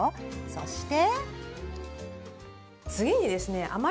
そして。